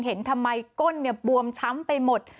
เห็นทำไมก้นบวมช้ำไปหมด